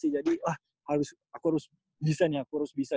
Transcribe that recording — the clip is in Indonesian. jadi wah aku harus bisa nih aku harus bisa